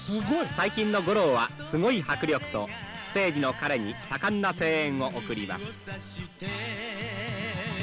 「最近の五郎はすごい迫力とステージの彼に盛んな声援を送ります」。